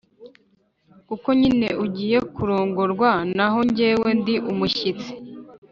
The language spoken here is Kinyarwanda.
kuko nyine ugiye kurongorwa, naho njyewe ndi umushyitsi.’